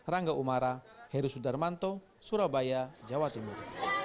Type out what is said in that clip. rangga umara heru sudarmanto surabaya jawa timur